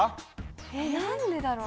えっ何でだろう？